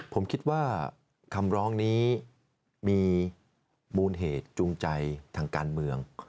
ผมคิดว่าคำร้องนี้มีมูลเหตุจูงใจทางการเมือง